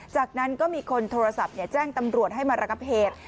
จากนั้นก็มีคนโทรศัพท์แจ้งตำรวจให้มาระงับเหตุ